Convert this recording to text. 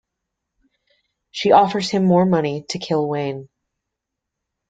She offers him more money to kill Wayne.